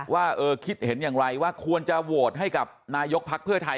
ว่าคิดเห็นอย่างไรว่าควรจะโหวตให้กับนายกพไทยเข้าไหม